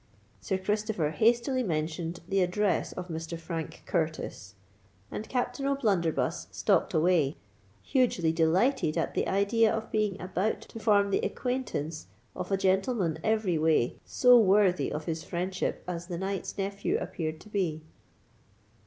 Sir Christopher hastily mentioned the address of Mr. Frank Curtis; and Captain O'Blunderbuss stalked away, hugely delighted at the idea of being about to form the acquaintance of a gentleman every way so worthy of his friendship as the knight's nephew appeared to be.